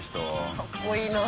かっこいいな。